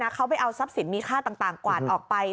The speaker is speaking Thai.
เขาไปเอาทรัพย์สินมีค่าต่างกวาดออกไป